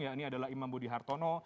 yakni adalah imam budi hartono